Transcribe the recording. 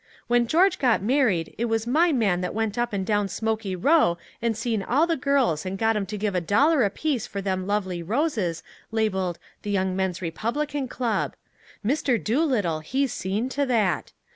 "When George got married, it was my man that went up and down Smoky Row and seen all the girls and got 'em to give a dollar apiece for them lovely roses labeled 'The Young Men's Republican Club.' Mr. Doolittle he seen to that.